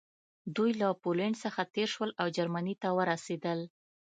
دوی له پولنډ څخه تېر شول او جرمني ته ورسېدل